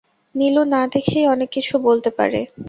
নীলু না দেখেই অনেক কিছু বলতে পারে।